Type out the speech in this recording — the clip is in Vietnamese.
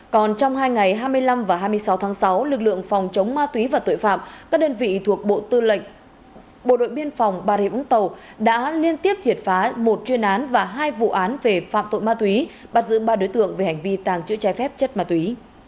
còn trong hai ngày hai mươi năm và hai mươi sáu tháng sáu lực lượng phòng chống ma túy và tội phạm các đơn vị thuộc bộ tư đội biên phòng bà rịa vũng tàu đã liên tiếp triệt phá một chuyên án và hai vụ án về phạm tội ma túy bắt giữ ba đối tượng về hành vi tàng trữ trái phép chất ma túy